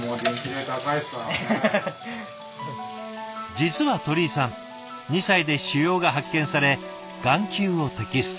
実は鳥居さん２歳で腫瘍が発見され眼球を摘出。